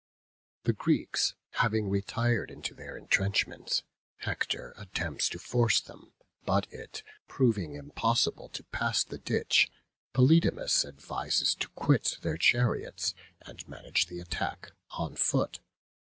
The Greeks having retired into their entrenchments, Hector attempts to force them; but it proving impossible to pass the ditch, Polydamas advises to quit their chariots, and manage the attack on foot.